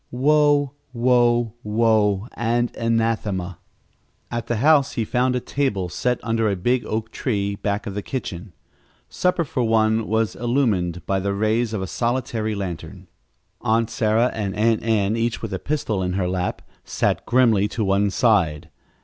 Woe, woe, woe and anathema! At the house he found a table set under a big oak tree back of the kitchen. Supper for one was illumined by the rays of a solitary lantern. Aunt Sarah and Aunt Ann, each with a pistol in her lap, sat grimly to one side.